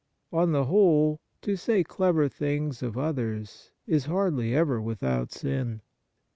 On the whole, to say clever things of others is hardly ever without sin.